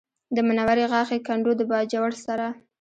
د منورې غاښی کنډو د باجوړ سره